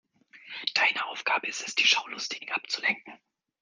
Deine Aufgabe ist es, die Schaulustigen abzulenken.